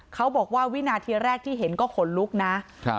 เขาบอกว่าวินาทีแรกที่เห็นก็ขนลุกนะครับ